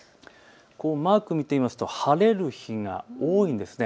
マークを見てみますと晴れる日が多いんです。